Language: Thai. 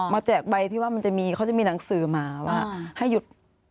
แจกใบที่ว่ามันจะมีเขาจะมีหนังสือมาว่าให้หยุด